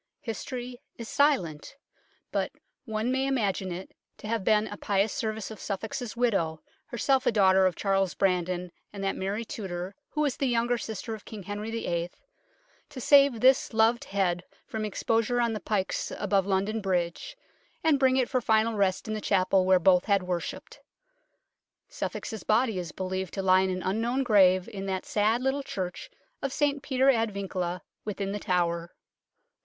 History is silent, but one may imagine it to have been a pious service of Suffolk's widow herself a daughter of Charles Brandon and that Mary Tudor who was the younger sister of King Henry VIII. to save this loved head from ex posure on the pikes above London Bridge, and bring it for final rest in the chapel where both had worshipped. Suffolk's body is believed to lie in an unknown grave in that sad little church of St Peter ad Vincula, within The Tower.